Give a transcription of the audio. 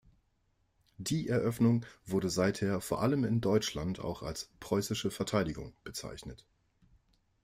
Die Eröffnung wurde seither vor allem in Deutschland auch als Preußische Verteidigung bezeichnet.